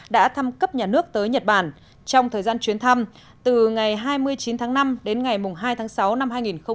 đã thăm cấp nhà nước tới nhật bản trong thời gian chuyến thăm từ ngày hai mươi chín tháng năm đến ngày hai tháng sáu năm hai nghìn một mươi chín